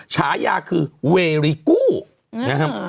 ฉายาคือเวริกู้นะครับ